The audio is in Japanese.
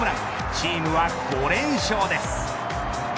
チームは５連勝です。